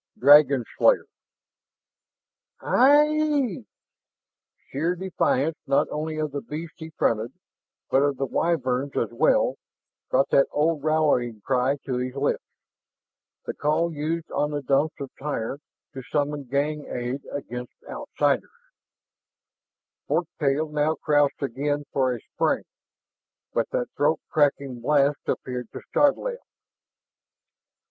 DRAGON SLAYER "Ayeeee!" Sheer defiance, not only of the beast he fronted, but of the Wyverns as well, brought that old rallying cry to his lips the call used on the Dumps of Tyr to summon gang aid against outsiders. Fork tail had crouched again for a spring, but that throat crackling blast appeared to startle it.